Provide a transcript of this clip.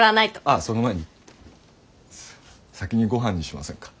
あっその前に先にごはんにしませんか。